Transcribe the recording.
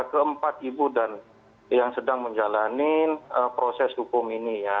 keempat ibu dan yang sedang menjalani proses hukum ini ya